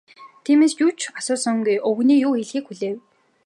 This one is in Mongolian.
Тиймээс юу ч асуусангүй, өвгөний юу хэлэхийг хүлээв.